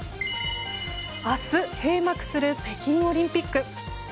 明日閉幕する北京オリンピック。